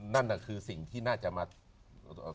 นั่นน่ะคือสิ่งที่น่าจะมา